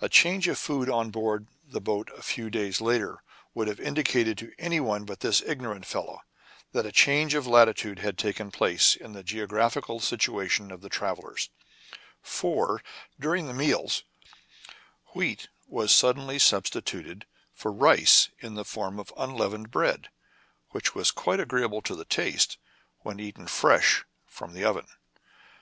A change of food on board the boat a few days later would have indicated to any one but this ignorant fellow that a change of latitude had taken place in the geographical situation of the travellers ; for, during the meals, wheat was sud denly substituted for rice in the form of unleavened bread, which was quite agreeable to the taste when eaten fresh from the oven.